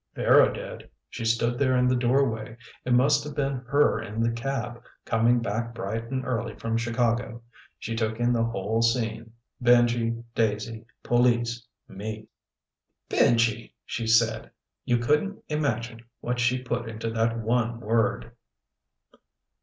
Vera did. She stood there in the doorway. It must have been her in the cab, coming back bright and early from Chicago. She took in the whole scene. Benji. Daisy. Police. Me. "Benji!!!" she said. You couldn't imagine what she put into that one word.